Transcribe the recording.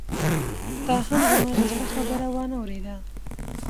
تا هم زما د زړه خبره وانه اورېده.